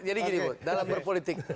jadi gini bu dalam berpolitik